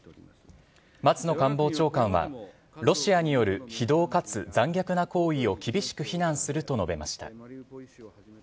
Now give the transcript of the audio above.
松野官房長官は、ロシアによる非道かつ残虐な行為を、厳しく非難すると述べました。